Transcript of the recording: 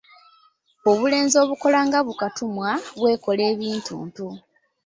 Obulenzi obukola nga bu katumwa bwekola ebintuntu.